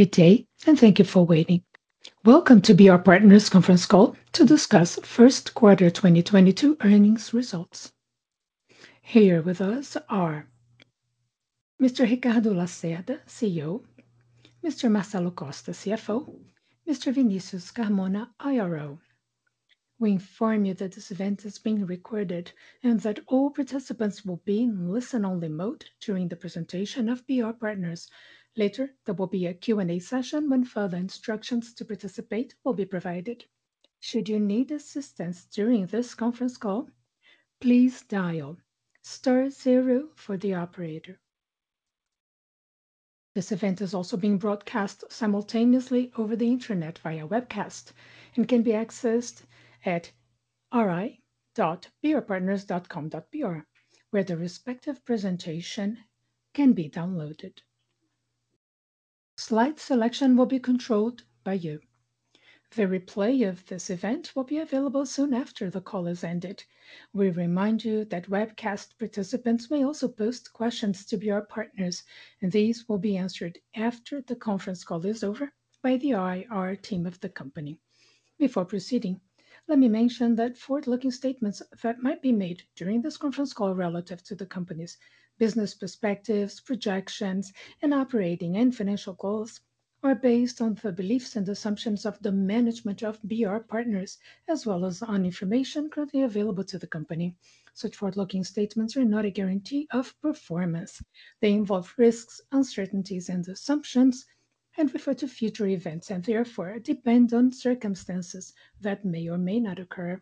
Good day, and thank you for waiting. Welcome To BR Partners conference call to discuss first quarter 2022 earnings results. Here with us are Mr. Ricardo Lacerda, CEO, Mr. Marcelo Costa, CFO, Mr. Vinicius Carmona, IRO. We inform you that this event is being recorded and that all participants will be in listen-only mode during the presentation of BR Partners. Later, there will be a Q&A session when further instructions to participate will be provided. Should you need assistance during this conference call, please dial star zero for the operator. This event is also being broadcast simultaneously over the internet via webcast and can be accessed at ri.brpartners.com.br, where the respective presentation can be downloaded. Slide selection will be controlled by you. The replay of this event will be available soon after the call has ended. We remind you that webcast participants may also post questions to BR Partners, and these will be answered after the conference call is over by the IR team of the company. Before proceeding, let me mention that forward-looking statements that might be made during this conference call relative to the company's business perspectives, projections, and operating and financial goals are based on the beliefs and assumptions of the management of BR Partners, as well as on information currently available to the company. Such forward-looking statements are not a guarantee of performance. They involve risks, uncertainties, and assumptions, and refer to future events, and therefore are dependent on circumstances that may or may not occur.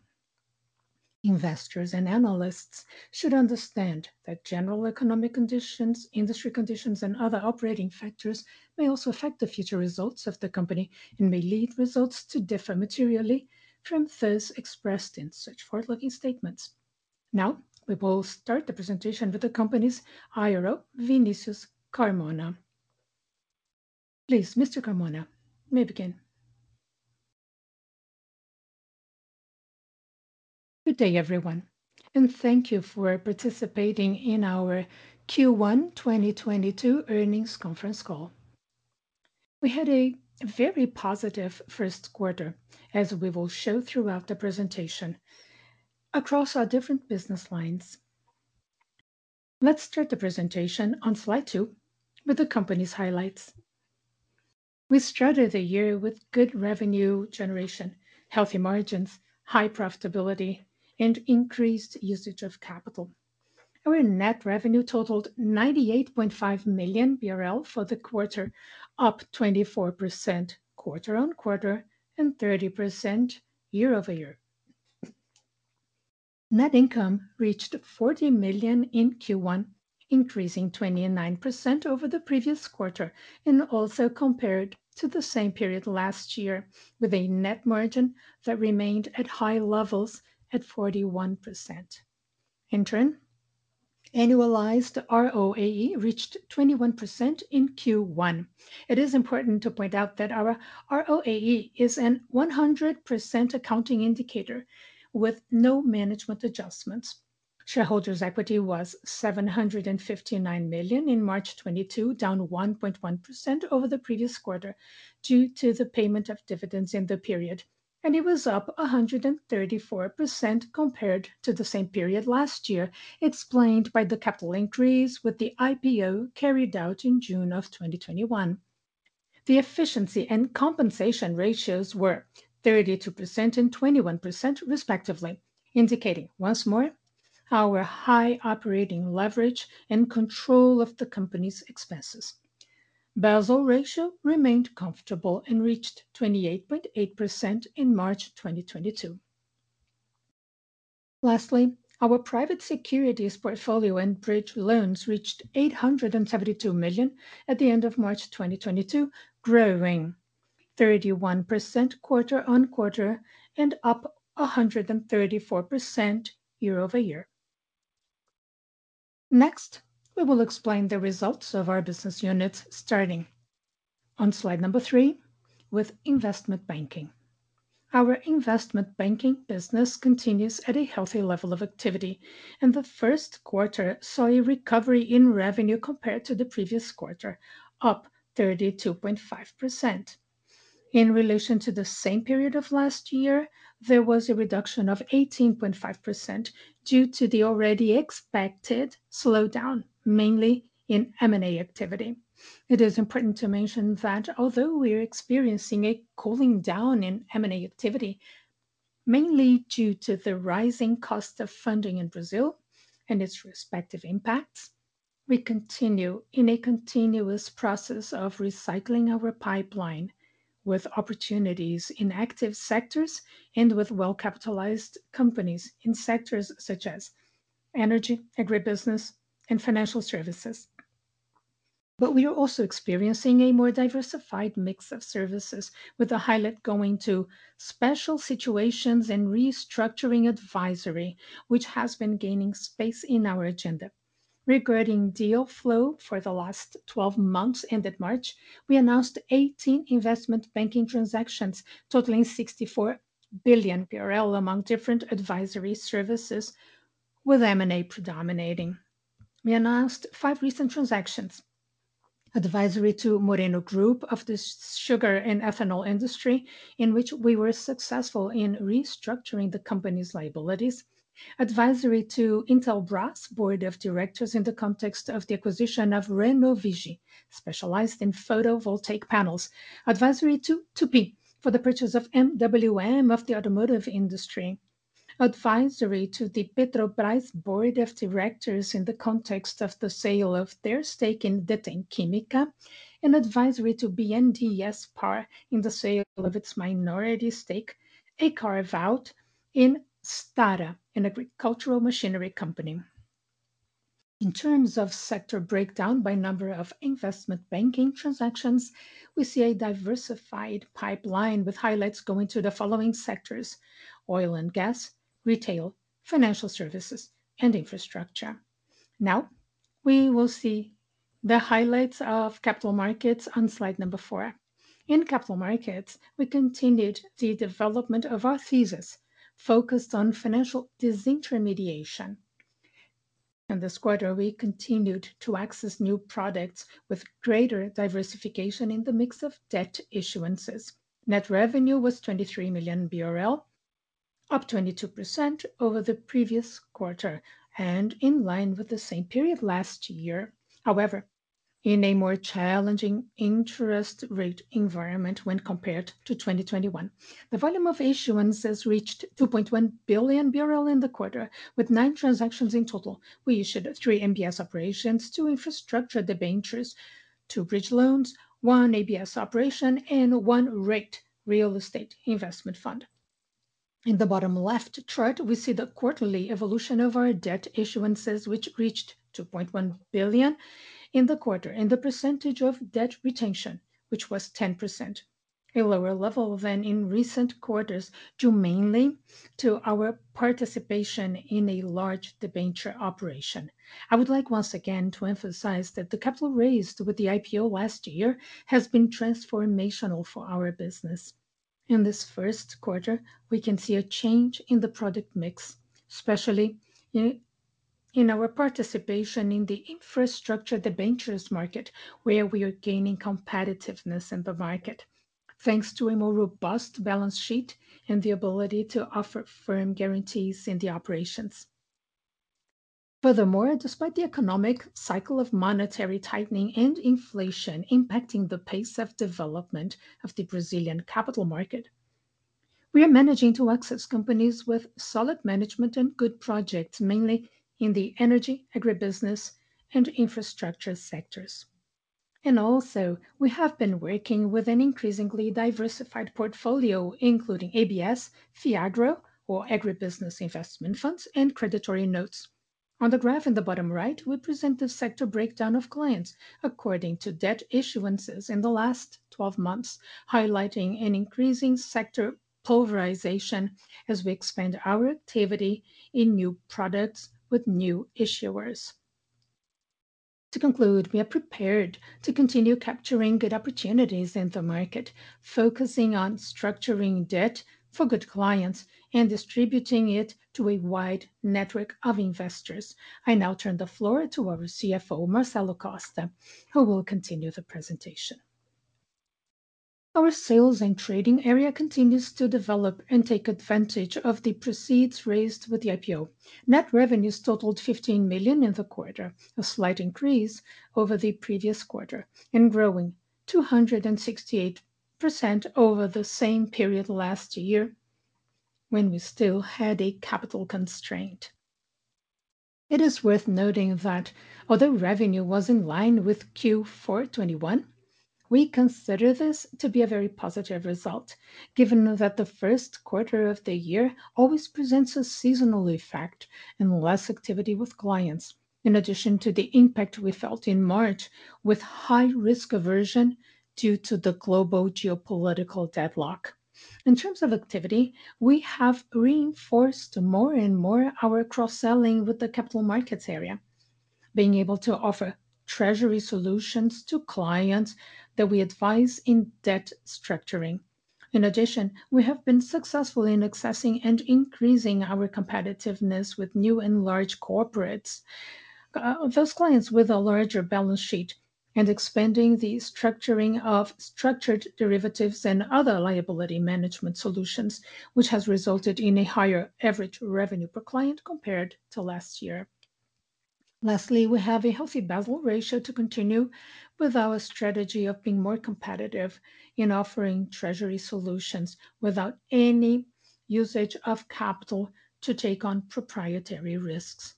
Investors and analysts should understand that general economic conditions, industry conditions, and other operating factors may also affect the future results of the company and may lead results to differ materially from those expressed in such forward-looking statements. Now, we will start the presentation with the company's IRO, Vinicius Carmona. Please, Mr. Carmona, you may begin. Good day, everyone, and thank you for participating in our Q1 2022 earnings conference call. We had a very positive first quarter, as we will show throughout the presentation across our different business lines. Let's start the presentation on slide 2 with the company's highlights. We started the year with good revenue generation, healthy margins, high profitability, and increased usage of capital. Our net revenue totaled 98.5 million BRL for the quarter, up 24% quarter-on-quarter and 30% year-over-year. Net income reached 40 million in Q1, increasing 29% over the previous quarter and also compared to the same period last year with a net margin that remained at high levels at 41%. In turn, annualized ROAE reached 21% in Q1. It is important to point out that our ROAE is a 100% accounting indicator with no management adjustments. Shareholders' equity was 759 million in March 2022, down 1.1% over the previous quarter due to the payment of dividends in the period, and it was up 134% compared to the same period last year, explained by the capital increase with the IPO carried out in June 2021. The efficiency and compensation ratios were 32% and 21% respectively, indicating once more our high operating leverage and control of the company's expenses. Basel ratio remained comfortable and reached 28.8% in March 2022. Lastly, our private securities portfolio and bridge loans reached 872 million at the end of March 2022, growing 31% quarter-on-quarter and up 134% year-over-year. Next, we will explain the results of our business units starting on slide number 3 with investment banking. Our investment banking business continues at a healthy level of activity, and the first quarter saw a recovery in revenue compared to the previous quarter, up 32.5%. In relation to the same period of last year, there was a reduction of 18.5% due to the already expected slowdown, mainly in M&A activity. It is important to mention that although we're experiencing a cooling down in M&A activity, mainly due to the rising cost of funding in Brazil and its respective impacts, we continue in a continuous process of recycling our pipeline with opportunities in active sectors and with well-capitalized companies in sectors such as energy, agribusiness, and financial services. We are also experiencing a more diversified mix of services with the highlight going to special situations and restructuring advisory, which has been gaining space in our agenda. Regarding deal flow for the last 12 months ended March, we announced 18 investment banking transactions totaling 64 billion among different advisory services with M&A predominating. We announced 5 recent transactions. Advisory to Grupo Moreno in the sugar and ethanol industry, in which we were successful in restructuring the company's liabilities. Advisory to Intelbras board of directors in the context of the acquisition of Renovigi, specialized in photovoltaic panels. Advisory to Tupy for the purchase of MWM of the automotive industry. Advisory to the Petrobras board of directors in the context of the sale of their stake in Deten Química. Advisory to BNDESPar in the sale of its minority stake, a carve-out in Stara, an agricultural machinery company. In terms of sector breakdown by number of investment banking transactions, we see a diversified pipeline with highlights going to the following sectors, oil and gas, retail, financial services, and infrastructure. Now we will see the highlights of capital markets on slide number four. In capital markets, we continued the development of our thesis focused on financial disintermediation. In this quarter, we continued to access new products with greater diversification in the mix of debt issuances. Net revenue was 23 million BRL, up 22% over the previous quarter and in line with the same period last year. However, in a more challenging interest rate environment when compared to 2021. The volume of issuance has reached 2.1 billion in the quarter with 9 transactions in total. We issued 3 MBS operations, 2 infrastructure debentures, 2 bridge loans, 1 ABS operation, and 1 REIT real estate investment fund. In the bottom left chart, we see the quarterly evolution of our debt issuances, which reached 2.1 billion in the quarter. The percentage of debt retention, which was 10%, a lower level than in recent quarters, due mainly to our participation in a large debenture operation. I would like once again to emphasize that the capital raised with the IPO last year has been transformational for our business. In this first quarter, we can see a change in the product mix, especially in our participation in the infrastructure debentures market, where we are gaining competitiveness in the market, thanks to a more robust balance sheet and the ability to offer firm guarantees in the operations. Furthermore, despite the economic cycle of monetary tightening and inflation impacting the pace of development of the Brazilian capital market, we are managing to access companies with solid management and good projects, mainly in the energy, agribusiness, and infrastructure sectors. Also, we have been working with an increasingly diversified portfolio, including ABS, FIAGRO or agribusiness investment funds, and CRIs. On the graph in the bottom right, we present the sector breakdown of clients according to debt issuances in the last twelve months, highlighting an increasing sector polarization as we expand our activity in new products with new issuers. To conclude, we are prepared to continue capturing good opportunities in the market, focusing on structuring debt for good clients and distributing it to a wide network of investors. I now turn the floor to our CFO, Marcelo Costa, who will continue the presentation. Our sales and trading area continues to develop and take advantage of the proceeds raised with the IPO. Net revenues totaled 15 million in the quarter, a slight increase over the previous quarter and growing 268% over the same period last year when we still had a capital constraint. It is worth noting that although revenue was in line with Q4 2021, we consider this to be a very positive result, given that the first quarter of the year always presents a seasonal effect and less activity with clients. In addition to the impact we felt in March with high risk aversion due to the global geopolitical deadlock, in terms of activity, we have reinforced more and more our cross-selling with the capital markets area, being able to offer treasury solutions to clients that we advise in debt structuring. In addition, we have been successful in accessing and increasing our competitiveness with new and large corporates, those clients with a larger balance sheet, and expanding the structuring of structured derivatives and other liability management solutions, which has resulted in a higher average revenue per client compared to last year. Lastly, we have a healthy Basel ratio to continue with our strategy of being more competitive in offering treasury solutions without any usage of capital to take on proprietary risks.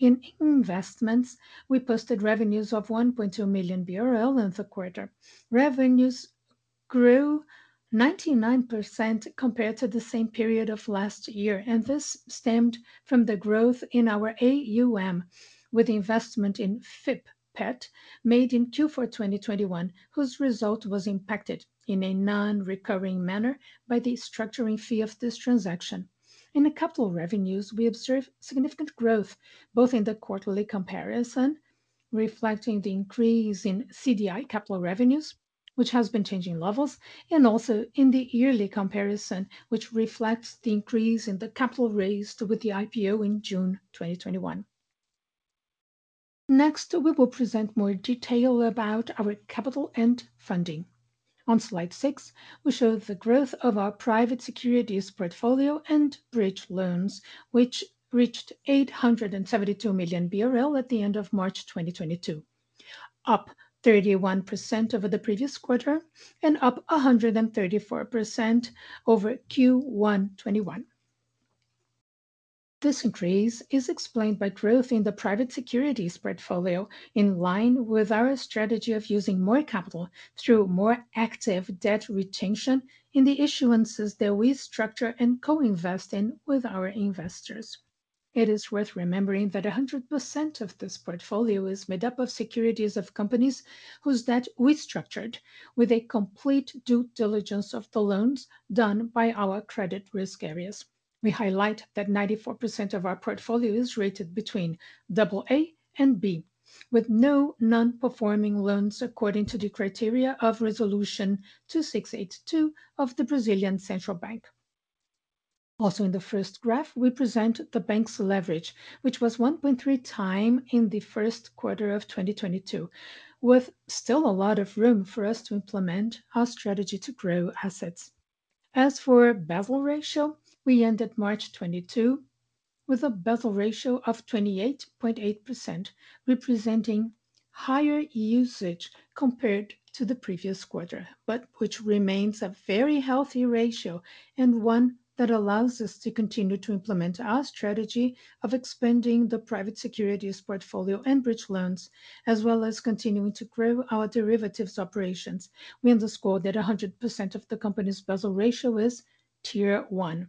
In investments, we posted revenues of 1.2 million BRL in the quarter. Revenues grew 99% compared to the same period of last year, and this stemmed from the growth in our AUM with investment in FIP PE made in Q4 2021, whose result was impacted in a non-recurring manner by the structuring fee of this transaction. In the capital revenues, we observed significant growth, both in the quarterly comparison. Reflecting the increase in CDI capital revenues, which has been changing levels, and also in the yearly comparison, which reflects the increase in the capital raised with the IPO in June 2021. Next, we will present more detail about our capital and funding. On slide 6, we show the growth of our private securities portfolio and bridge loans, which reached 872 million BRL at the end of March 2022, up 31% over the previous quarter and up 134% over Q1 2021. This increase is explained by growth in the private securities portfolio in line with our strategy of using more capital through more active debt retention in the issuances that we structure and co-invest in with our investors. It is worth remembering that 100% of this portfolio is made up of securities of companies whose debt we structured with a complete due diligence of the loans done by our credit risk areas. We highlight that 94% of our portfolio is rated between AA and B, with no non-performing loans according to the criteria of Resolution 2682 of the Brazilian Central Bank. Also in the first graph, we present the bank's leverage, which was 1.3 times in the first quarter of 2022, with still a lot of room for us to implement our strategy to grow assets. As for Basel ratio, we ended March 2022 with a Basel ratio of 28.8%, representing higher usage compared to the previous quarter, but which remains a very healthy ratio and one that allows us to continue to implement our strategy of expanding the private securities portfolio and bridge loans, as well as continuing to grow our derivatives operations. We underscore that 100% of the company's Basel ratio is Tier 1.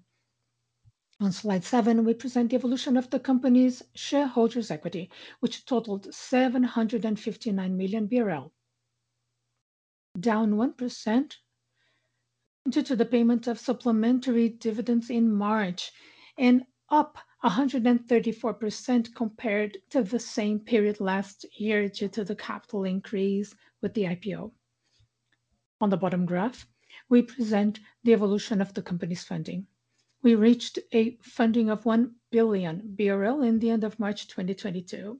On slide 7, we present the evolution of the company's shareholders' equity, which totaled 759 million BRL. Down 1% due to the payment of supplementary dividends in March and up 134% compared to the same period last year due to the capital increase with the IPO. On the bottom graph, we present the evolution of the company's funding. We reached a funding of 1 billion BRL at the end of March 2022.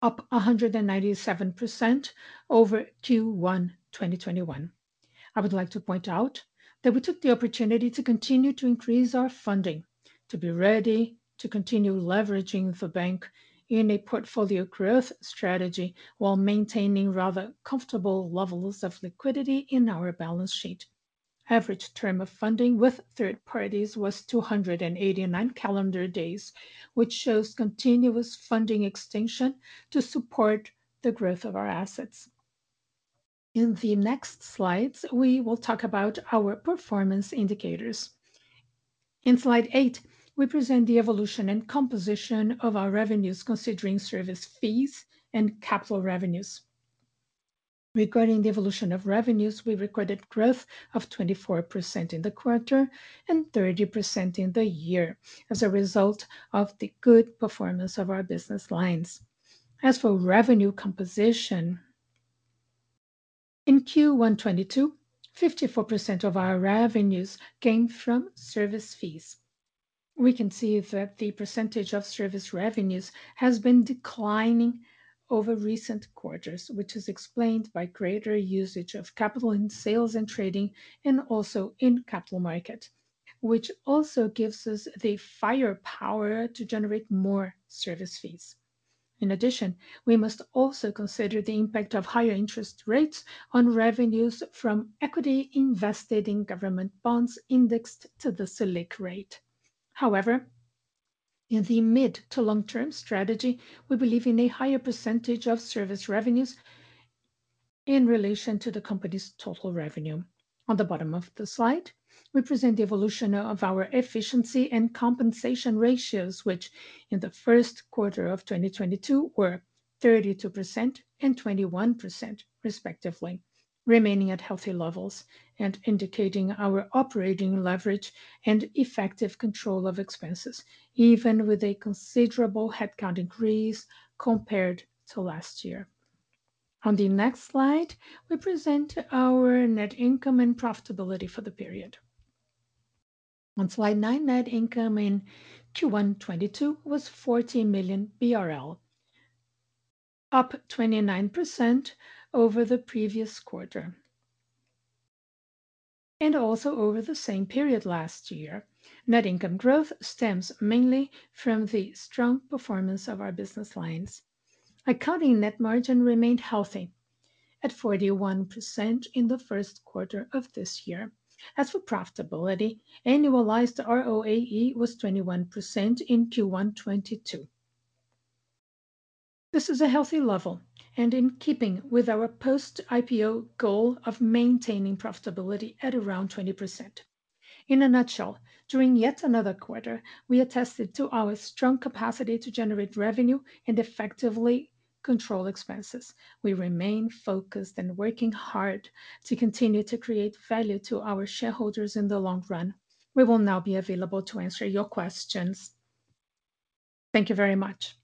Up 197% over Q1 2021. I would like to point out that we took the opportunity to continue to increase our funding, to be ready to continue leveraging the bank in a portfolio growth strategy while maintaining rather comfortable levels of liquidity in our balance sheet. Average term of funding with third parties was 289 calendar days, which shows continuous funding extension to support the growth of our assets. In the next slides, we will talk about our performance indicators. In slide 8, we present the evolution and composition of our revenues considering service fees and capital revenues. Regarding the evolution of revenues, we recorded growth of 24% in the quarter and 30% in the year as a result of the good performance of our business lines. As for revenue composition, in Q1 2022, 54% of our revenues came from service fees. We can see that the percentage of service revenues has been declining over recent quarters, which is explained by greater usage of capital in sales and trading and also in capital market, which also gives us the firepower to generate more service fees. In addition, we must also consider the impact of higher interest rates on revenues from equity invested in government bonds indexed to the Selic rate. However, in the mid to long-term strategy, we believe in a higher percentage of service revenues in relation to the company's total revenue. On the bottom of the slide, we present the evolution of our efficiency and compensation ratios, which in the first quarter of 2022 were 32% and 21% respectively, remaining at healthy levels and indicating our operating leverage and effective control of expenses, even with a considerable headcount increase compared to last year. On the next slide, we present our net income and profitability for the period. On slide nine, net income in Q1 2022 was BRL 14 million. Up 29% over the previous quarter. Also over the same period last year, net income growth stems mainly from the strong performance of our business lines. Accounting net margin remained healthy at 41% in the first quarter of this year. As for profitability, annualized ROAE was 21% in Q1 2022. This is a healthy level, and in keeping with our post-IPO goal of maintaining profitability at around 20%. In a nutshell, during yet another quarter, we attested to our strong capacity to generate revenue and effectively control expenses. We remain focused and working hard to continue to create value to our shareholders in the long run. We will now be available to answer your questions. Thank you very much.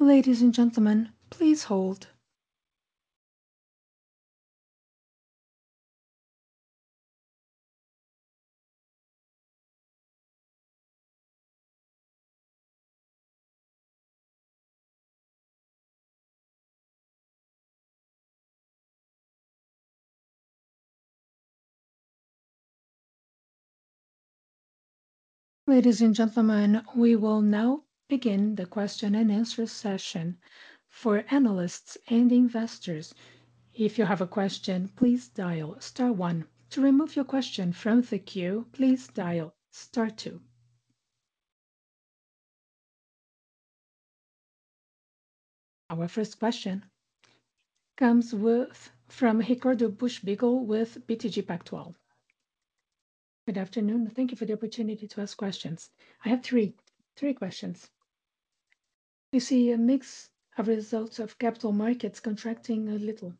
Ladies and gentlemen, please hold. Ladies and gentlemen, we will now begin the question and answer session for analysts and investors. If you have a question, please dial star one. To remove your question from the queue, please dial star two. Our first question comes from Ricardo Buchpiguel with BTG Pactual. Good afternoon. Thank you for the opportunity to ask questions. I have three questions. You see a mix of results of capital markets contracting a little,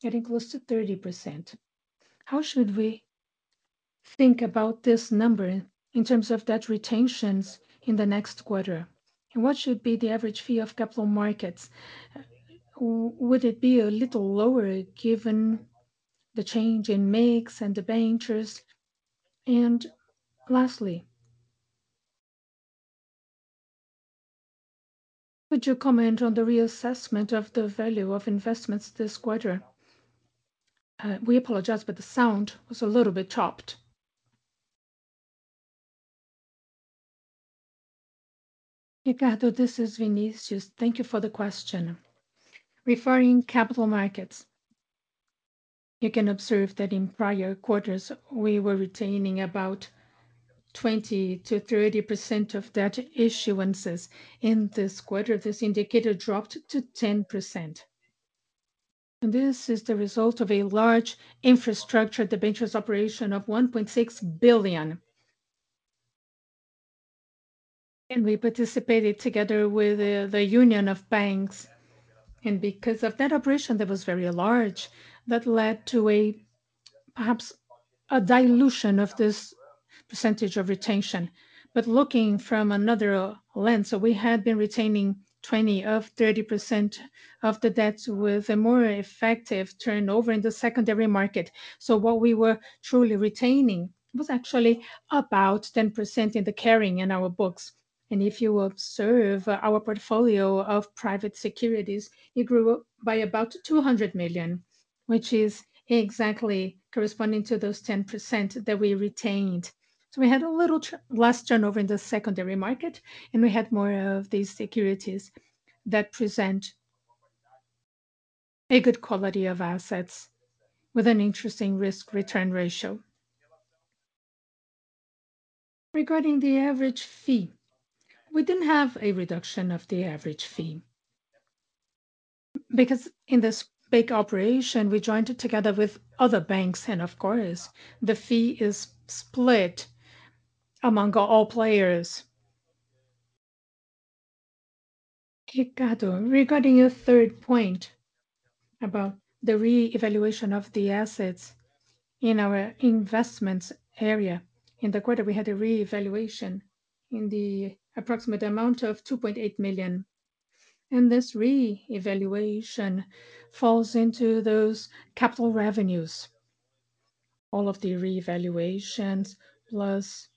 getting close to 30%. How should we think about this number in terms of debt retentions in the next quarter? And what should be the average fee of capital markets? Would it be a little lower given the change in mix and debentures? And lastly, could you comment on the reassessment of the value of investments this quarter? We apologize, but the sound was a little bit chopped. Ricardo, this is Vinicius. Thank you for the question. Regarding capital markets, you can observe that in prior quarters we were retaining about 20%-30% of debt issuances. In this quarter, this indicator dropped to 10%. This is the result of a large infrastructure debentures operation of 1.6 billion. We participated together with the Union of Banks. Because of that operation that was very large, that led to perhaps a dilution of this percentage of retention. Looking from another lens, we had been retaining 20 to 30% of the debt with a more effective turnover in the secondary market. What we were truly retaining was actually about 10% in the carrying on our books. If you observe our portfolio of private securities, it grew by about 200 million, which is exactly corresponding to those 10% that we retained. We had a little less turnover in the secondary market, and we had more of these securities that present a good quality of assets with an interesting risk-return ratio. Regarding the average fee, we didn't have a reduction of the average fee. Because in this big operation, we joined together with other banks and of course, the fee is split among all players. Ricardo, regarding your third point about the re-evaluation of the assets in our investments area. In the quarter, we had a re-evaluation in the approximate amount of 2.8 million. This re-evaluation falls into those capital revenues. All of the re-evaluations plus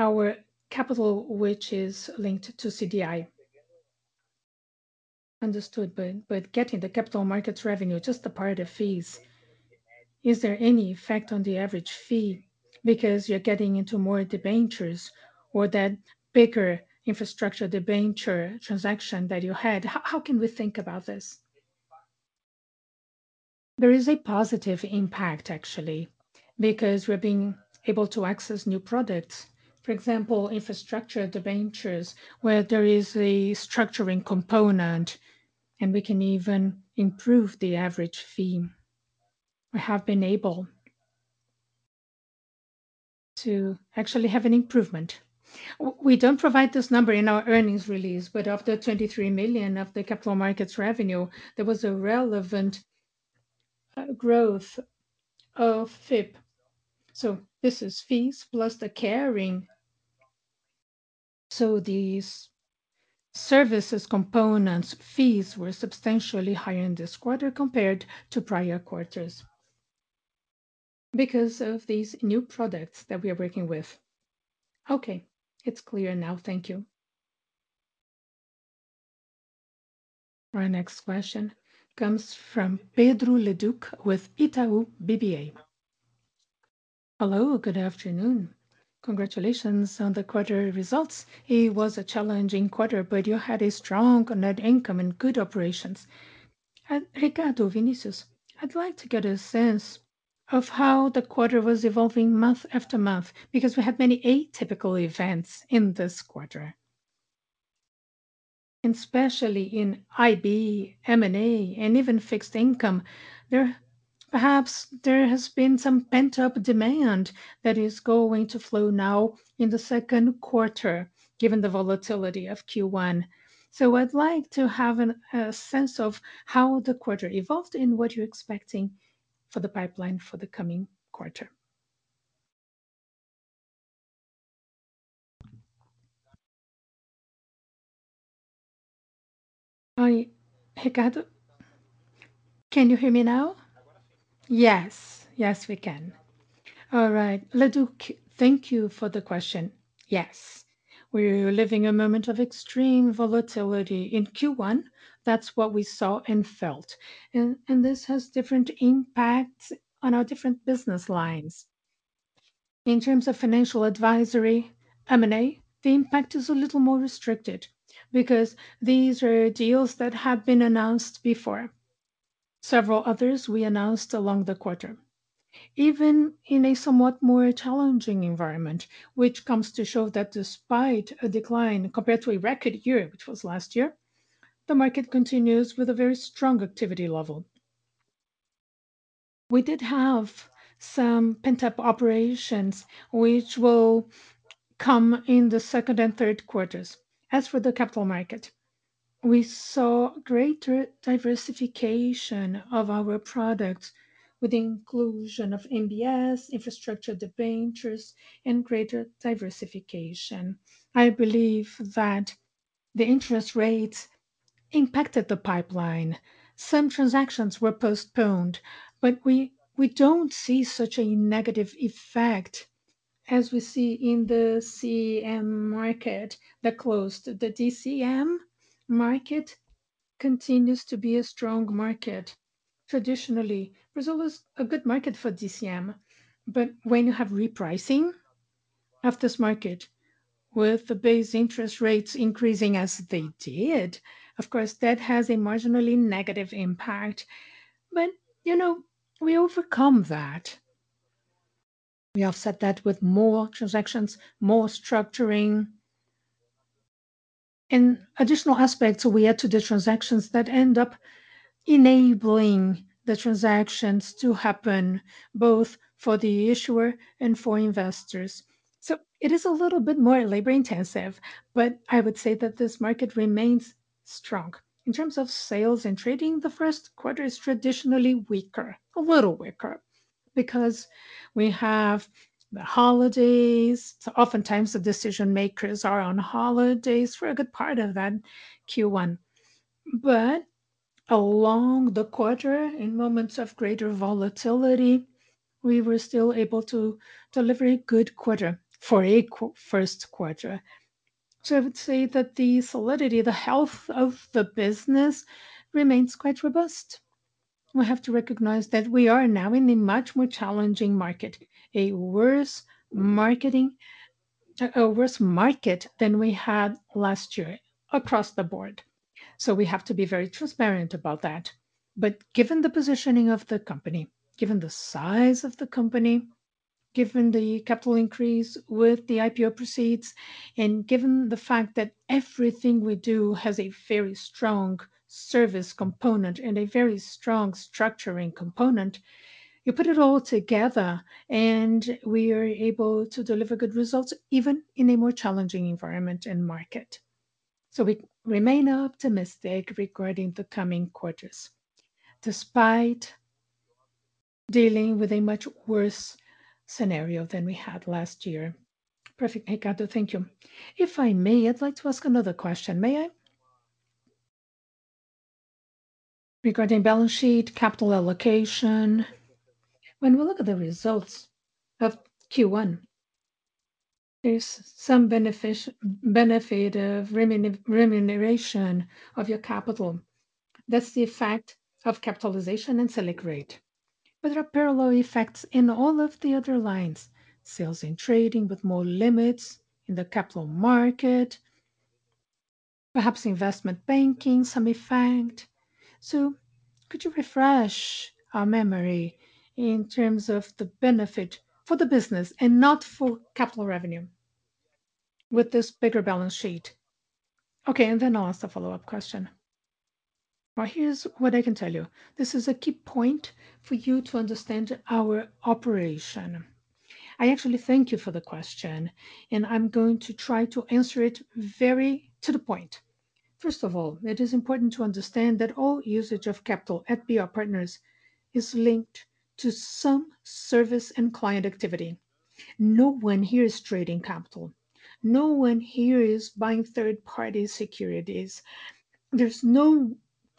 our capital, which is linked to CDI. Understood. Getting the capital markets revenue, just the part of fees, is there any effect on the average fee because you're getting into more debentures or that bigger infrastructure debenture transaction that you had? How can we think about this? There is a positive impact, actually, because we're being able to access new products. For example, infrastructure debentures, where there is a structuring component and we can even improve the average fee. We have been able to actually have an improvement. We don't provide this number in our earnings release, but of the 23 million of the capital markets revenue, there was a relevant growth of FIP. So this is fees plus the carrying. So these services components fees were substantially higher in this quarter compared to prior quarters because of these new products that we are working with. Okay. It's clear now. Thank you. Our next question comes from Pedro Leduc with Itaú BBA. Hello, good afternoon. Congratulations on the quarter results. It was a challenging quarter, but you had a strong net income and good operations. Ricardo, Vinicius, I'd like to get a sense of how the quarter was evolving month after month, because we had many atypical events in this quarter. Especially in IB, M&A, and even fixed income, there perhaps has been some pent-up demand that is going to flow now in the second quarter, given the volatility of Q1. I'd like to have a sense of how the quarter evolved and what you're expecting for the pipeline for the coming quarter. Hi, Ricardo. Can you hear me now? Yes. Yes, we can. All right. Leduc, thank you for the question. Yes. We're living a moment of extreme volatility. In Q1, that's what we saw and felt and this has different impacts on our different business lines. In terms of financial advisory, M&A, the impact is a little more restricted because these are deals that have been announced before. Several others we announced along the quarter, even in a somewhat more challenging environment, which comes to show that despite a decline compared to a record year, which was last year, the market continues with a very strong activity level. We did have some pent-up operations which will come in the second and third quarters. As for the capital market, we saw greater diversification of our products with the inclusion of MBS, infrastructure debentures, and greater diversification. I believe that the interest rates impacted the pipeline. Some transactions were postponed, but we don't see such a negative effect as we see in the ECM market that closed. The DCM market continues to be a strong market. Traditionally, Brazil is a good market for DCM, but when you have repricing of this market with the base interest rates increasing as they did, of course that has a marginally negative impact. You know, we overcome that. We offset that with more transactions, more structuring and additional aspects we add to the transactions that end up enabling the transactions to happen, both for the issuer and for investors. It is a little bit more labor-intensive, but I would say that this market remains strong. In terms of sales and trading, the first quarter is traditionally weaker, a little weaker because we have the holidays. Oftentimes the decision-makers are on holidays for a good part of that Q1. Along the quarter, in moments of greater volatility, we were still able to deliver a good quarter first quarter. The solidity, the health of the business remains quite robust. We have to recognize that we are now in a much more challenging market, a worse market than we had last year across the board. We have to be very transparent about that. Given the positioning of the company, given the size of the company, given the capital increase with the IPO proceeds, and given the fact that everything we do has a very strong service component and a very strong structuring component, you put it all together and we are able to deliver good results, even in a more challenging environment and market. We remain optimistic regarding the coming quarters, despite dealing with a much worse scenario than we had last year. Perfect. Ricardo, thank you. If I may, I'd like to ask another question. May I? Regarding balance sheet, capital allocation. When we look at the results of Q1, there's some benefit of remuneration of your capital. That's the effect of capitalization and Selic rate. There are parallel effects in all of the other lines, sales and trading with more limits in the capital market, perhaps investment banking, some effect. Could you refresh our memory in terms of the benefit for the business and not for capital revenue with this bigger balance sheet? Okay, and then I'll ask a follow-up question. Well, here's what I can tell you. This is a key point for you to understand our operation. I actually thank you for the question, and I'm going to try to answer it very to the point. First of all, it is important to understand that all usage of capital at BR Partners is linked to some service and client activity. No one here is trading capital. No one here is buying third-party securities. There's no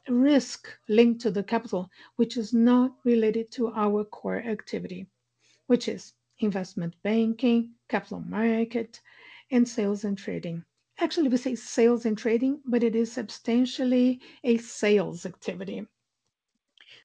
risk linked to the capital, which is not related to our core activity, which is investment banking, capital market, and sales and trading. Actually, we say sales and trading, but it is substantially a sales activity.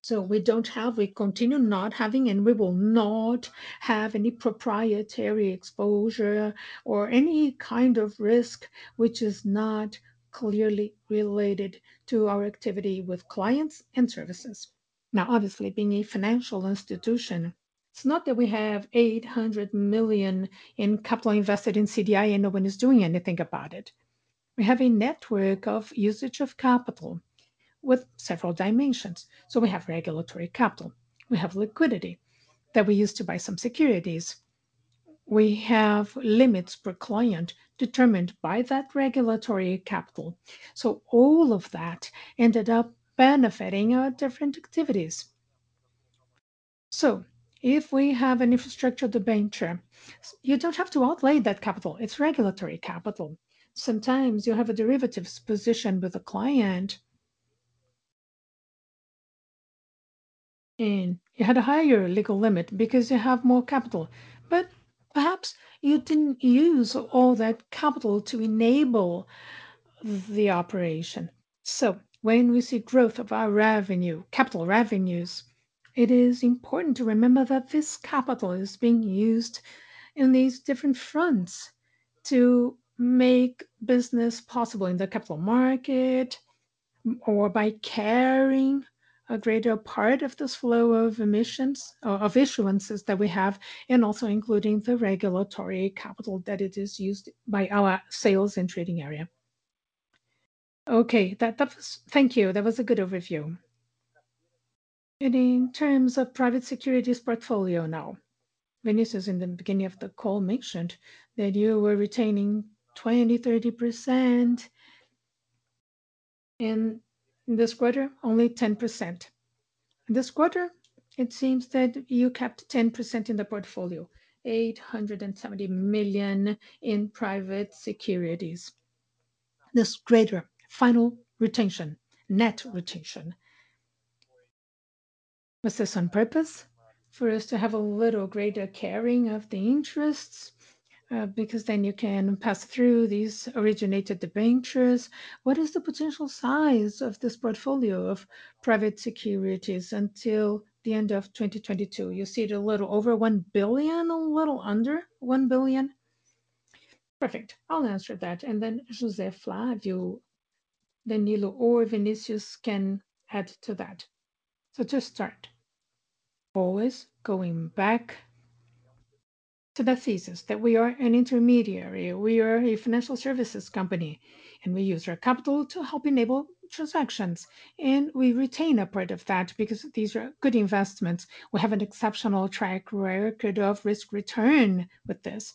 We don't have, we continue not having, and we will not have any proprietary exposure or any kind of risk which is not clearly related to our activity with clients and services. Now, obviously, being a financial institution, it's not that we have 800 million in capital invested in CDI and no one is doing anything about it. We have a network of usage of capital with several dimensions. We have regulatory capital. We have liquidity that we use to buy some securities. We have limits per client determined by that regulatory capital. All of that ended up benefiting our different activities. If we have an infrastructure debenture, you don't have to outlay that capital. It's regulatory capital. Sometimes you have a derivatives position with a client, and you had a higher legal limit because you have more capital. But perhaps you didn't use all that capital to enable the operation. When we see growth of our revenue, capital revenues, it is important to remember that this capital is being used in these different fronts to make business possible in the capital market or by carrying a greater part of this flow of issuances that we have, and also including the regulatory capital that it is used by our sales and trading area. Okay. That was. Thank you. That was a good overview. In terms of private securities portfolio now, Vinicius in the beginning of the call mentioned that you were retaining 20-30%. In this quarter, only 10%. This quarter, it seems that you kept 10% in the portfolio, 870 million in private securities. This greater final retention, net retention. Was this on purpose for us to have a little greater carrying of the interests, because then you can pass through these originated debentures? What is the potential size of this portfolio of private securities until the end of 2022? You see it a little over 1 billion, a little under 1 billion? Perfect. I'll answer that. José Flávio, Danilo, or Vinicius can add to that. To start, always going back to the thesis that we are an intermediary. We are a financial services company, and we use our capital to help enable transactions. We retain a part of that because these are good investments. We have an exceptional track record of risk return with this.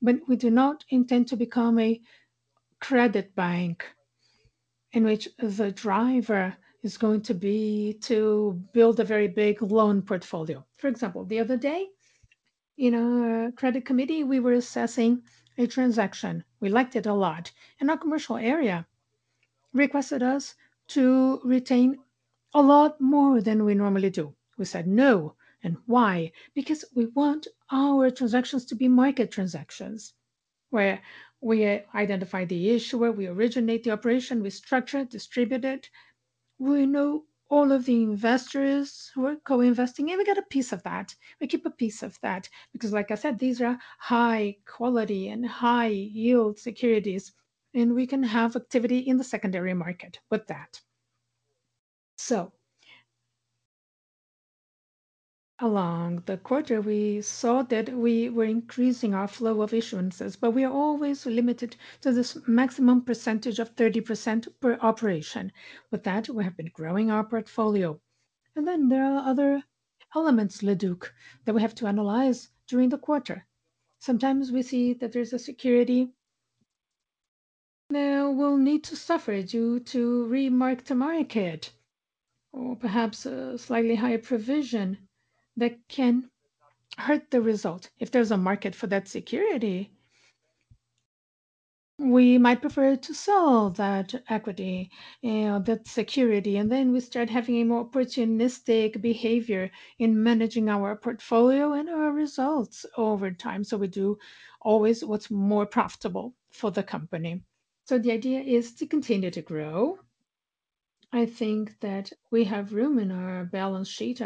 We do not intend to become a credit bank in which the driver is going to be to build a very big loan portfolio. For example, the other day in our credit committee, we were assessing a transaction. We liked it a lot. Our commercial area requested us to retain a lot more than we normally do. We said no. Why? Because we want our transactions to be market transactions, where we identify the issuer, we originate the operation, we structure it, distribute it. We know all of the investors who are co-investing, and we get a piece of that. We keep a piece of that because, like I said, these are high quality and high yield securities, and we can have activity in the secondary market with that. Along the quarter, we saw that we were increasing our flow of issuances, but we are always limited to this maximum percentage of 30% per operation. With that, we have been growing our portfolio. There are other elements, Leduc, that we have to analyze during the quarter. Sometimes we see that there's a security that will need to suffer due to mark-to-market or perhaps a slightly higher provision that can hurt the result. If there's a market for that security, we might prefer to sell that equity or that security. We start having a more opportunistic behavior in managing our portfolio and our results over time. We do always what's more profitable for the company. The idea is to continue to grow. I think that we have room in our balance sheet.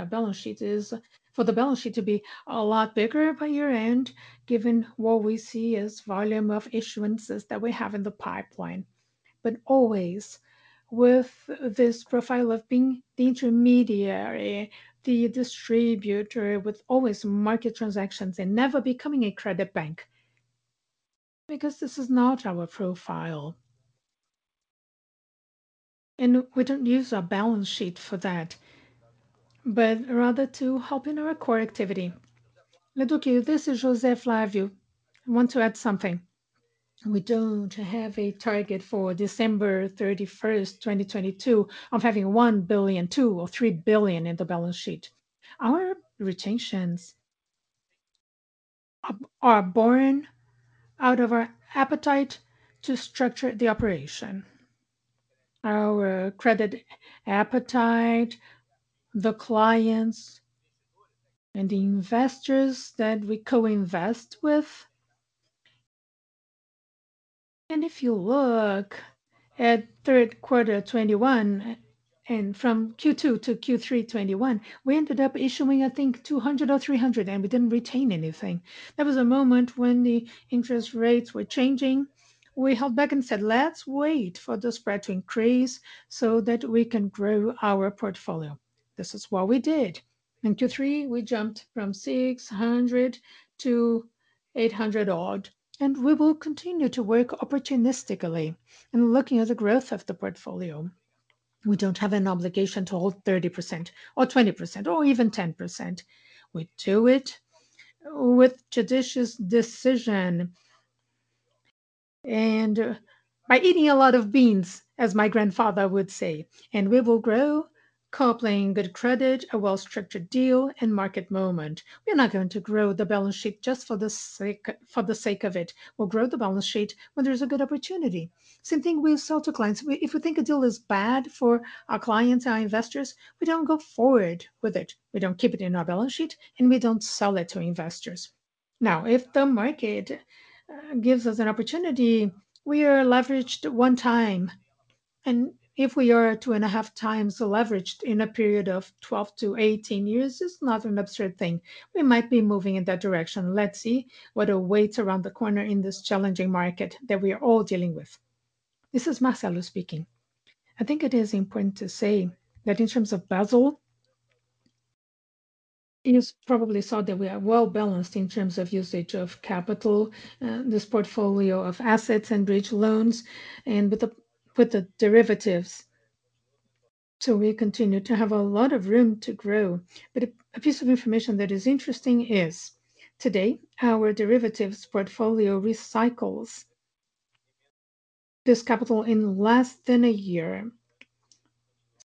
For the balance sheet to be a lot bigger by year-end, given what we see as volume of issuances that we have in the pipeline. Always with this profile of being the intermediary, the distributor with always market transactions and never becoming a credit bank, because this is not our profile. We don't use our balance sheet for that, but rather to help in our core activity. Leduc, this is José Flávio. I want to add something. We don't have a target for December 31st, 2022 of having 1 billion, 2 or 3 billion in the balance sheet. Our retentions are born out of our appetite to structure the operation. Our credit appetite, the clients and the investors that we co-invest with. If you look at third quarter 2021, and from Q2 to Q3 2021, we ended up issuing, I think, 200 or 300, and we didn't retain anything. There was a moment when the interest rates were changing. We held back and said, "Let's wait for the spread to increase so that we can grow our portfolio." This is what we did. In Q3, we jumped from 600 to 800-odd. We will continue to work opportunistically in looking at the growth of the portfolio. We don't have an obligation to hold 30% or 20% or even 10%. We do it with judicious decision and by eating a lot of beans, as my grandfather would say. We will grow co-playing good credit, a well-structured deal and market moment. We are not going to grow the balance sheet just for the sake of it. We'll grow the balance sheet when there's a good opportunity. Same thing we sell to clients. If we think a deal is bad for our clients, our investors, we don't go forward with it. We don't keep it in our balance sheet, and we don't sell it to investors. Now, if the market gives us an opportunity, we are leveraged 1x. If we are 2.5x leveraged in a period of 12-18 years, it's not an absurd thing. We might be moving in that direction. Let's see what awaits around the corner in this challenging market that we are all dealing with. This is Marcelo speaking. I think it is important to say that in terms of Basel, you probably saw that we are well-balanced in terms of usage of capital, this portfolio of assets and bridge loans and with the derivatives, so we continue to have a lot of room to grow. A piece of information that is interesting is today our derivatives portfolio recycles this capital in less than a year.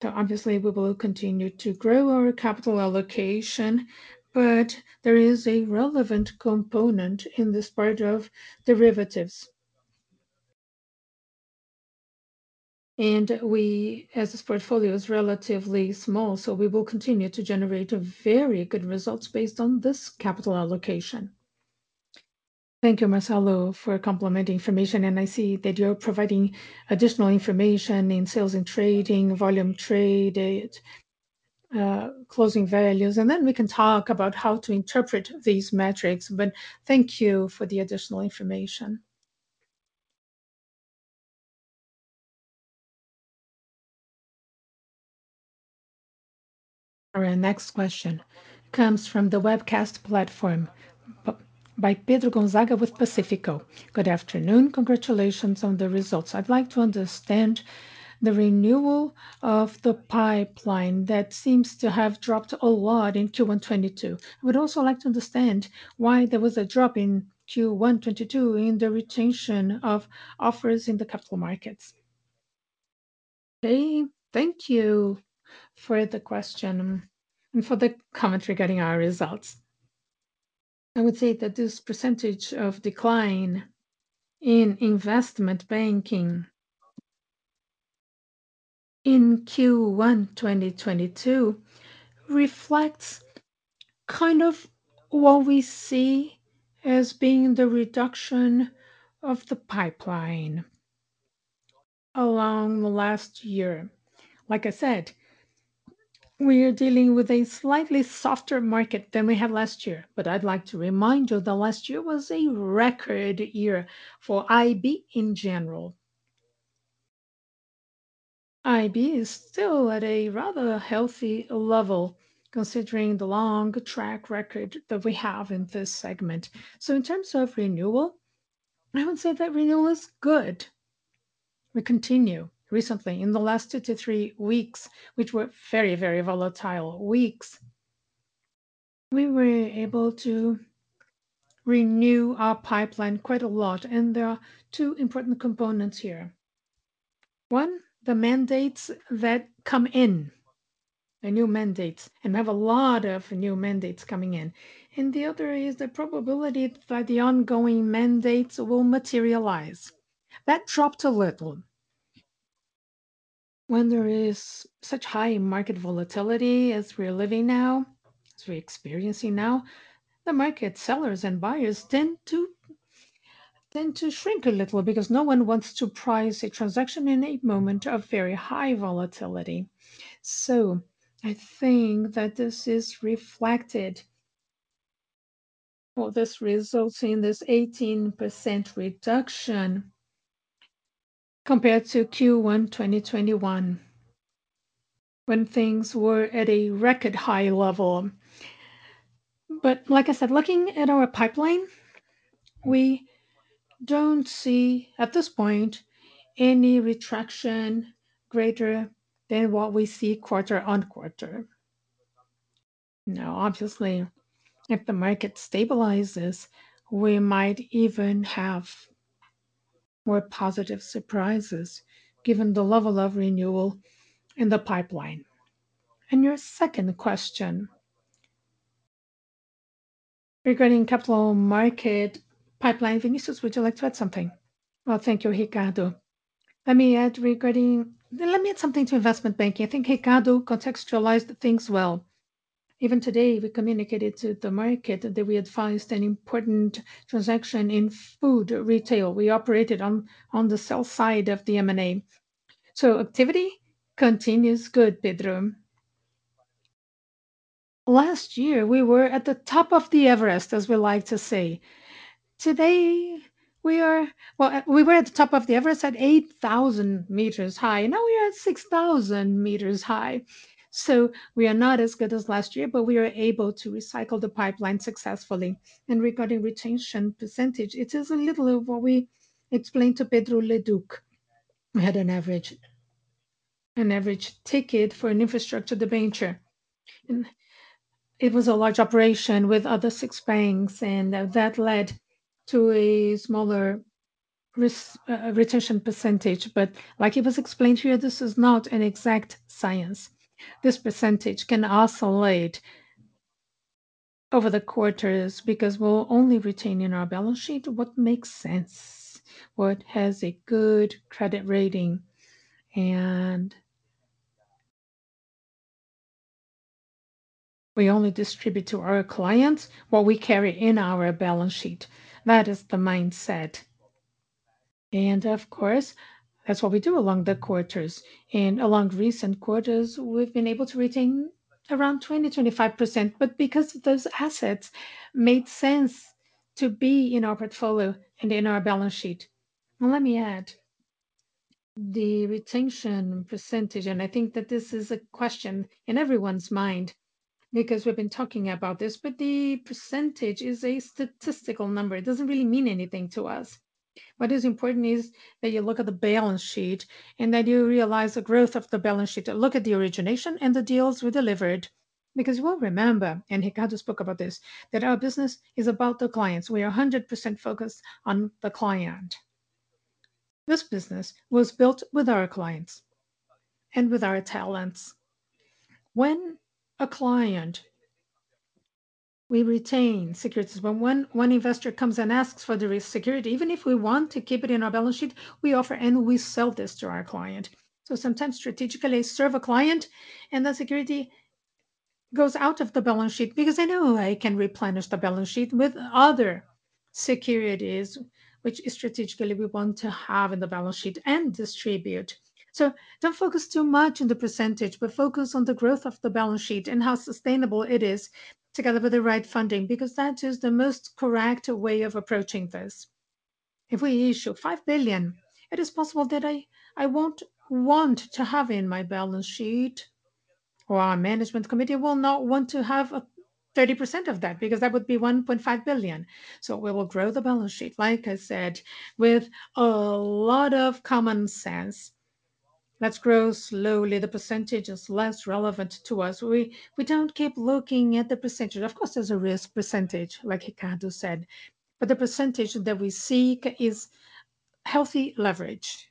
Obviously we will continue to grow our capital allocation, but there is a relevant component in this part of derivatives. We, as this portfolio is relatively small, so we will continue to generate very good results based on this capital allocation. Thank you, Marcelo, for complementing information. I see that you're providing additional information in sales and trading, volume traded, closing values, and then we can talk about how to interpret these metrics. Thank you for the additional information. Our next question comes from the webcast platform by Pedro Gonzaga with Pacífico. Good afternoon. Congratulations on the results. I'd like to understand the renewal of the pipeline that seems to have dropped a lot in Q1 '22. I would also like to understand why there was a drop in Q1 '22 in the retention of offers in the capital markets. Okay, thank you for the question and for the comment regarding our results. I would say that this percentage of decline in investment banking in Q1 2022 reflects kind of what we see as being the reduction of the pipeline along last year. Like I said, we are dealing with a slightly softer market than we had last year. I'd like to remind you that last year was a record year for IB in general. IB is still at a rather healthy level, considering the long track record that we have in this segment. In terms of renewal, I would say that renewal is good. We continue. Recently, in the last 2-3 weeks, which were very, very volatile weeks, we were able to renew our pipeline quite a lot, and there are two important components here. One, the mandates that come in, the new mandates, and we have a lot of new mandates coming in. The other is the probability that the ongoing mandates will materialize. That dropped a little. When there is such high market volatility as we're living now, as we're experiencing now, the market sellers and buyers tend to shrink a little because no one wants to price a transaction in a moment of very high volatility. I think that this is reflected or this results in this 18% reduction compared to Q1 2022. When things were at a record high level. Like I said, looking at our pipeline, we don't see, at this point, any retraction greater than what we see quarter-on-quarter. Now, obviously, if the market stabilizes, we might even have more positive surprises given the level of renewal in the pipeline. Your second question regarding capital market pipeline. Vinicius, would you like to add something? Well, thank you, Ricardo. Let me add something to investment banking. I think Ricardo contextualized things well. Even today, we communicated to the market that we advised an important transaction in food retail. We operated on the sell side of the M&A. Activity continues good, Pedro. Last year, we were at the top of the Everest, as we like to say. Today, we were at the top of the Everest at 8,000 meters high. Now we are at 6,000 meters high. We are not as good as last year, but we are able to recycle the pipeline successfully. Regarding retention percentage, it is a little of what we explained to Pedro Leduc. We had an average ticket for an infrastructure debenture. It was a large operation with other six banks, and that led to a smaller risk retention percentage. Like it was explained to you, this is not an exact science. This percentage can oscillate over the quarters because we'll only retain in our balance sheet what makes sense, what has a good credit rating. We only distribute to our clients what we carry in our balance sheet. That is the mindset. Of course, that's what we do along the quarters. Along recent quarters, we've been able to retain around 20, 25%. Because those assets made sense to be in our portfolio and in our balance sheet. Let me add, the retention percentage, and I think that this is a question in everyone's mind because we've been talking about this, but the percentage is a statistical number. It doesn't really mean anything to us. What is important is that you look at the balance sheet and that you realize the growth of the balance sheet, look at the origination and the deals we delivered. Because you all remember, and Ricardo spoke about this, that our business is about the clients. We are 100% focused on the client. This business was built with our clients and with our talents. We retain securities. When one investor comes and asks for the security, even if we want to keep it in our balance sheet, we offer and we sell this to our client. Sometimes strategically serve a client, and that security goes out of the balance sheet because I know I can replenish the balance sheet with other securities, which strategically we want to have in the balance sheet and distribute. Don't focus too much on the percentage, but focus on the growth of the balance sheet and how sustainable it is together with the right funding, because that is the most correct way of approaching this. If we issue 5 billion, it is possible that I won't want to have in my balance sheet, or our management committee will not want to have 30% of that, because that would be 1.5 billion. We will grow the balance sheet, like I said, with a lot of common sense. Let's grow slowly. The percentage is less relevant to us. We don't keep looking at the percentage. Of course, there's a risk percentage, like Ricardo said, but the percentage that we seek is healthy leverage.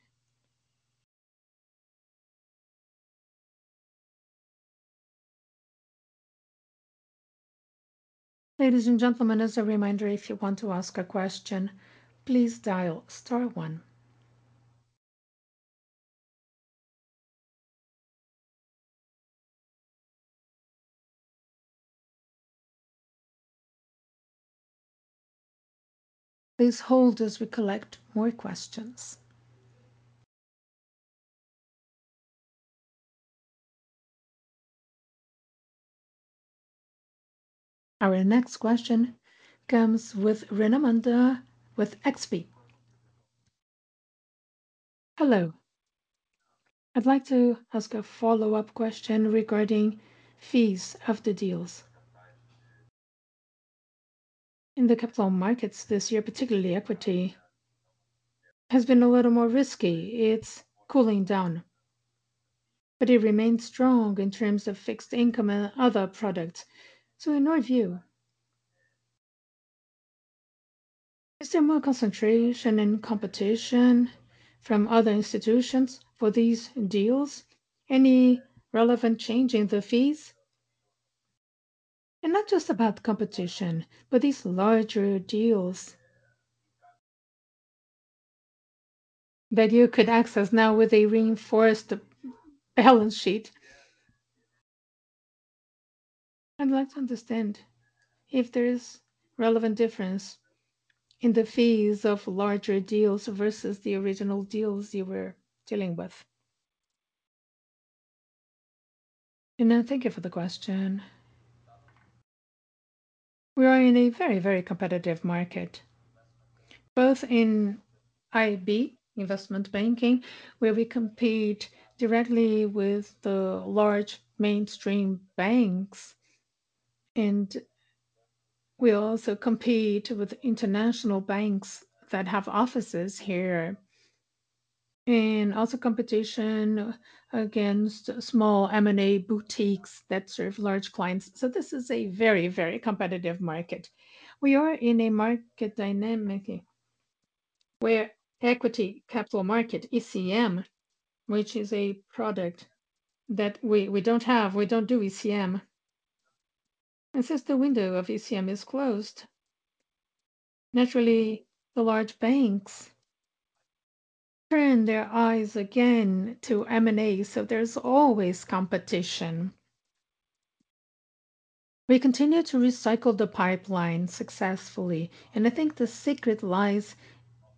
Ladies and gentlemen, as a reminder, if you want to ask a question, please dial star one. Please hold as we collect more questions. Our next question comes from Renata Miranda with XP. Hello. I'd like to ask a follow-up question regarding fees of the deals. In the capital markets this year, particularly equity, has been a little more risky. It's cooling down, but it remains strong in terms of fixed income and other products. In your view, is there more concentration and competition from other institutions for these deals? Any relevant change in the fees? Not just about competition, but these larger deals that you could access now with a reinforced balance sheet. I'd like to understand if there is relevant difference in the fees of larger deals versus the original deals you were dealing with. Anna, thank you for the question. We are in a very, very competitive market, both in IB, investment banking, where we compete directly with the large mainstream banks, and we also compete with international banks that have offices here. Also competition against small M&A boutiques that serve large clients. This is a very, very competitive market. We are in a market dynamic where equity capital market, ECM, which is a product that we don't have, we don't do ECM. Since the window of ECM is closed, naturally the large banks turn their eyes again to M&A. There's always competition. We continue to recycle the pipeline successfully, and I think the secret lies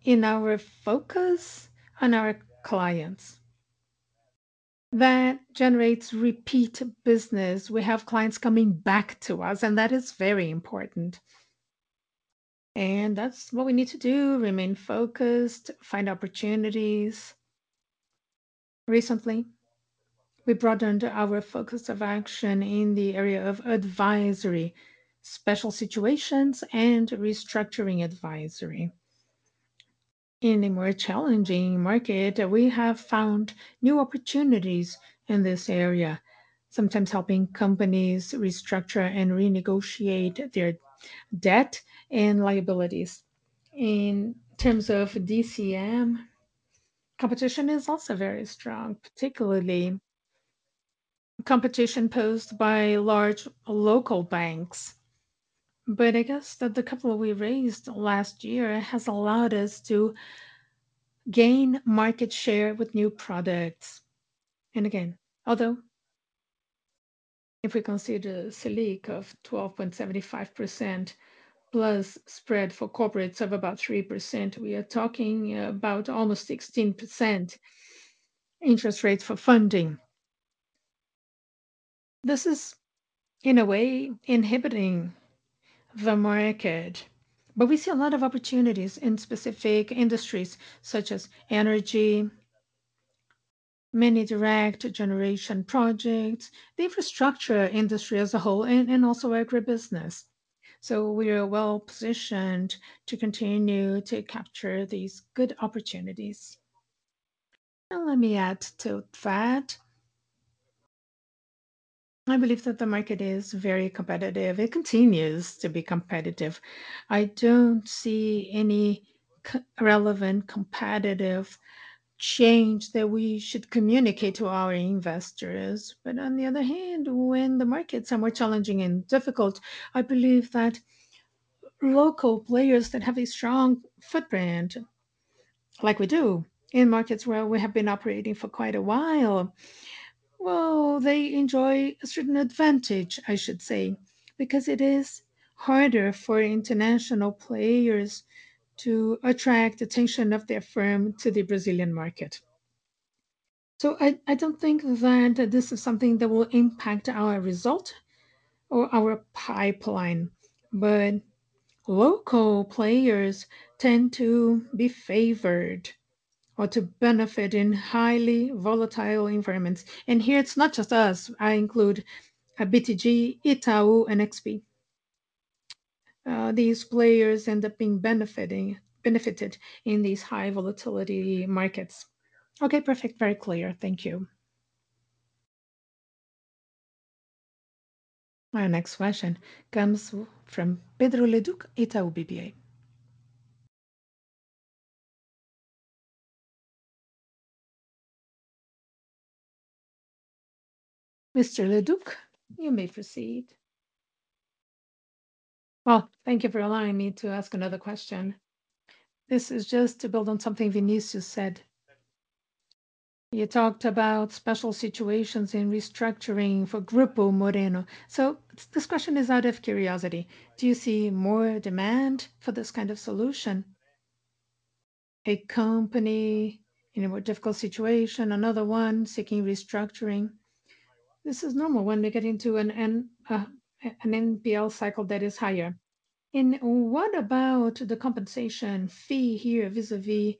in our focus on our clients. That generates repeat business. We have clients coming back to us, and that is very important. That's what we need to do, remain focused, find opportunities. Recently, we broadened our focus of action in the area of advisory, special situations, and restructuring advisory. In a more challenging market, we have found new opportunities in this area, sometimes helping companies restructure and renegotiate their debt and liabilities. In terms of DCM, competition is also very strong, particularly competition posed by large local banks. I guess that the capital we raised last year has allowed us to gain market share with new products. Again, although if we consider Selic of 12.75% plus spread for corporates of about 3%, we are talking about almost 16% interest rates for funding. This is, in a way, inhibiting the market. We see a lot of opportunities in specific industries such as energy, many direct generation projects, the infrastructure industry as a whole, and also agribusiness. We are well-positioned to continue to capture these good opportunities. Let me add to that, I believe that the market is very competitive. It continues to be competitive. I don't see any relevant competitive change that we should communicate to our investors. On the other hand, when the markets are more challenging and difficult, I believe that local players that have a strong footprint, like we do in markets where we have been operating for quite a while, well, they enjoy a certain advantage, I should say. Because it is harder for international players to attract attention of their firm to the Brazilian market. I don't think that this is something that will impact our result or our pipeline, but local players tend to be favored or to benefit in highly volatile environments. Here it's not just us. I include BTG, Itaú, and XP. These players end up being benefited in these high-volatility markets. Okay, perfect. Very clear. Thank you. My next question comes from Pedro Leduc, Itaú BBA. Mr. Leduc, you may proceed. Well, thank you for allowing me to ask another question. This is just to build on something Vinicius said. You talked about special situations in restructuring for Grupo Moreno. This question is out of curiosity. Do you see more demand for this kind of solution? A company in a more difficult situation, another one seeking restructuring. This is normal when we get into an NPL cycle that is higher. What about the compensation fee here vis-à-vis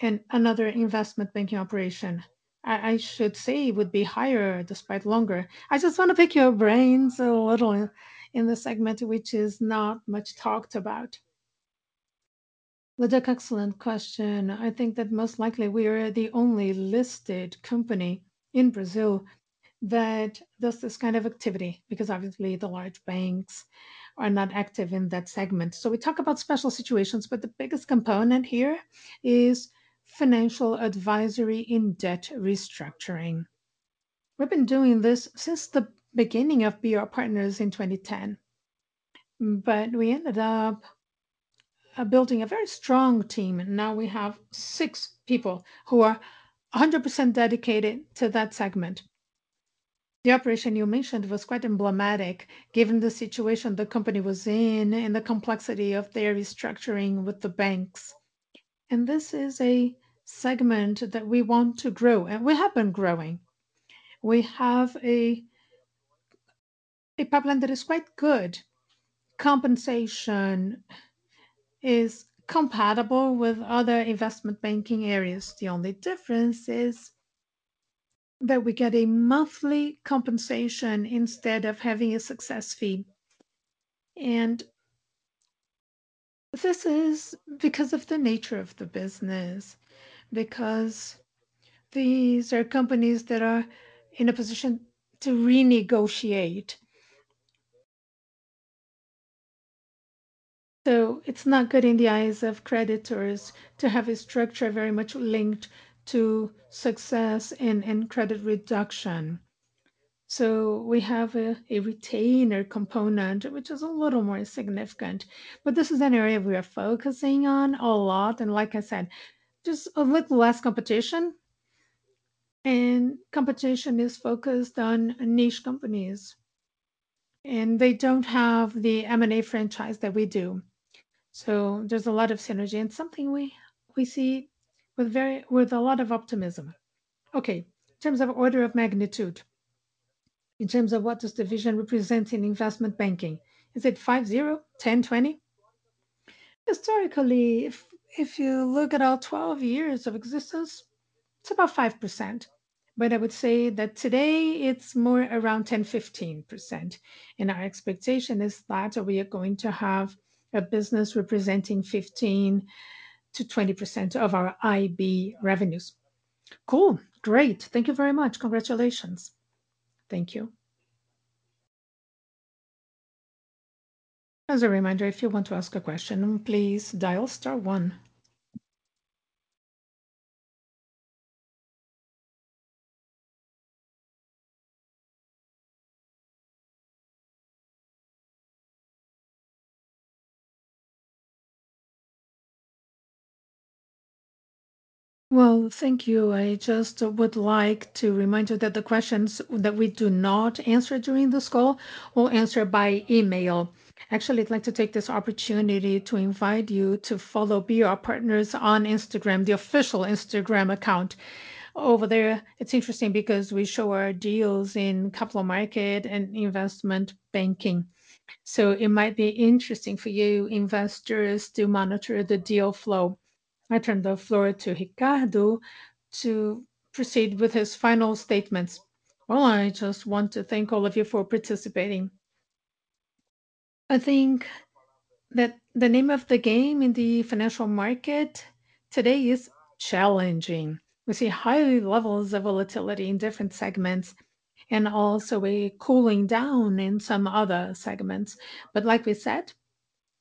another investment banking operation? I should say would be higher despite longer. I just want to pick your brains a little in the segment which is not much talked about. Leduc, excellent question. I think that most likely we are the only listed company in Brazil that does this kind of activity, because obviously the large banks are not active in that segment. We talk about special situations, but the biggest component here is financial advisory in debt restructuring. We've been doing this since the beginning of BR Partners in 2010, but we ended up building a very strong team, and now we have six people who are 100% dedicated to that segment. The operation you mentioned was quite emblematic given the situation the company was in and the complexity of their restructuring with the banks. This is a segment that we want to grow, and we have been growing. We have a pipeline that is quite good. Compensation is compatible with other investment banking areas. The only difference is that we get a monthly compensation instead of having a success fee. This is because of the nature of the business, because these are companies that are in a position to renegotiate. It's not good in the eyes of creditors to have a structure very much linked to success and credit reduction. We have a retainer component which is a little more insignificant. This is an area we are focusing on a lot, and like I said, just a little less competition, and competition is focused on niche companies, and they don't have the M&A franchise that we do. There's a lot of synergy, and something we see with a lot of optimism. Okay. In terms of order of magnitude, in terms of what this division represents in investment banking, is it 5.0%, 10%, 20%? Historically, if you look at our 12 years of existence, it's about 5%. I would say that today it's more around 10-15%, and our expectation is that we are going to have a business representing 15%-20% of our IB revenues. Cool. Great. Thank you very much. Congratulations. Thank you. As a reminder, if you want to ask a question, please dial star one. Well, thank you. I just would like to remind you that the questions that we do not answer during this call, we'll answer by email. Actually, I'd like to take this opportunity to invite you to follow BR Partners on Instagram, the official Instagram account. Over there, it's interesting because we show our deals in capital market and investment banking. So it might be interesting for you investors to monitor the deal flow. I turn the floor to Ricardo to proceed with his final statements. Well, I just want to thank all of you for participating. I think that the name of the game in the financial market today is challenging. We see high levels of volatility in different segments, and also a cooling down in some other segments. Like we said,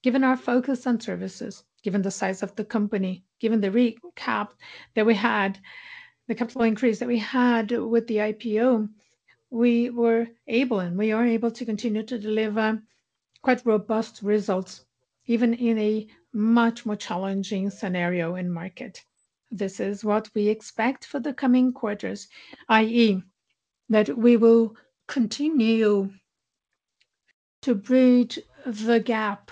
given our focus on services, given the size of the company, given the recap that we had, the capital increase that we had with the IPO, we were able and we are able to continue to deliver quite robust results, even in a much more challenging scenario in market. This is what we expect for the coming quarters, i.e., that we will continue to bridge the gap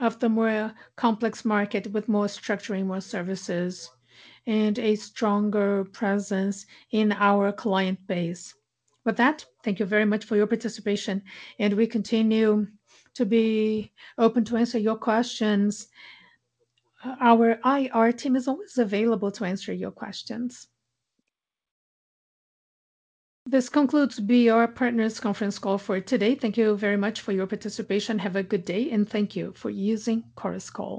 of the more complex market with more structuring, more services, and a stronger presence in our client base. With that, thank you very much for your participation, and we continue to be open to answer your questions. Our IR team is always available to answer your questions. This concludes BR Partners' conference call for today. Thank you very much for your participation. Have a good day, and thank you for using Chorus Call.